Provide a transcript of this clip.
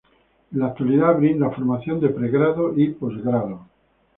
En la actualidad, brinda formación de pregrado y postgrado.